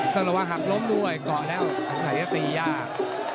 ต้องระวังหักล้มด้วยเกาะแล้วสงสัยจะตียาก